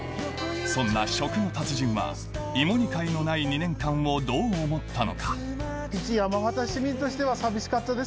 そんな食の達人は芋煮会のない２年間をどう思ったのか？